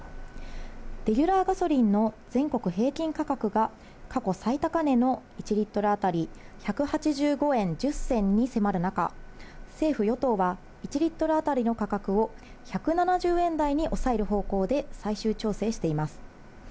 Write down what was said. レギュラーガソリンの全国平均価格が過去最高値の１リットル当たり１８５円１０銭に迫る中、政府・与党は、１リットル当たりの価格を１７０円台に抑える方向で最終調整しています。